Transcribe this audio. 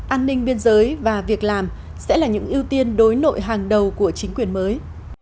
an ninh biên giới và việc làm sẽ là những ưu tiên đối nội hàng đầu của chính quyền mới